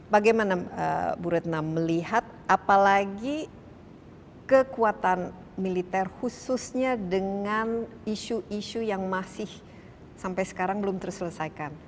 bagaimana bu retna melihat apalagi kekuatan militer khususnya dengan isu isu yang masih sampai sekarang belum terselesaikan